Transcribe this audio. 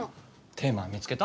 テーマは見つけた？